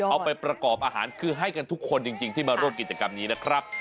เอาไปประกอบอาหารคือให้กันทุกคนจริงที่มาร่วมกิจกรรมนี้นะครับ